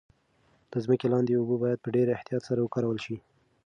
د ځمکې لاندې اوبه باید په ډیر احتیاط سره وکارول شي.